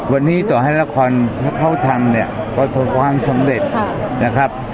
วันนี้ต่อให้ละครถ้าเขาทำเนี่ยประสบความสำเร็จนะครับ